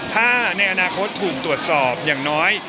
ถ้าในอนาคตถูกตรวจสอบอย่างน้อย